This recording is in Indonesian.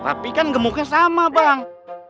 tapi kan gemuknya sama bang